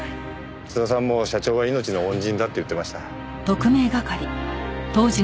津田さんも社長は命の恩人だって言ってました。